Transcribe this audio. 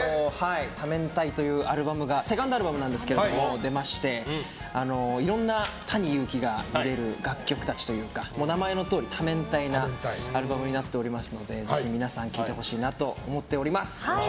「多面態」というアルバムがセカンドアルバムなんですが出ましていろんなＴａｎｉＹｕｕｋｉが見れる楽曲たちというか名前のとおり多面態なアルバムになってますのでぜひ皆さん聴いてほしいなと思っております。